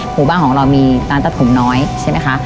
หมู่บ้านของเรามีร้านตัดผมน้อยใช่ไหมคะ